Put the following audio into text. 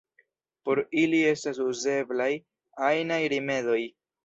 Por ili estas uzeblaj ajnaj rimedoj.